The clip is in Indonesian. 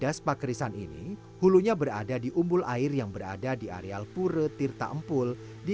das pakkerisan ini hulunya berada di umpul air yang berada di areal pura tirtaempul di